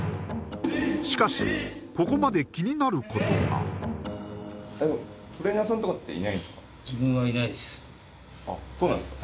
しかしここまで気になることがあっそうなんですか？